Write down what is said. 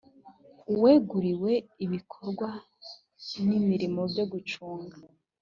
uweguriwe ibikorwa n imirimo byo gucunga